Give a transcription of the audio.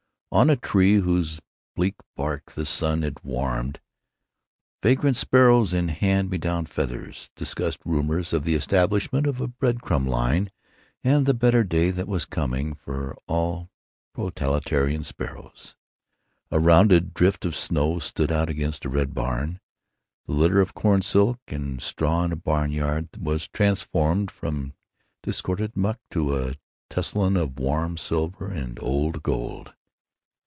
On a tree whose bleak bark the sun had warmed, vagrant sparrows in hand me down feathers discussed rumors of the establishment of a bread crumb line and the better day that was coming for all proletarian sparrows. A rounded drift of snow stood out against a red barn. The litter of corn stalks and straw in a barn yard was transformed from disordered muck to a tessellation of warm silver and old gold.